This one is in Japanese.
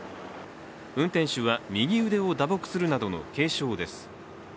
運転手は右腕を打撲するなどの軽傷です。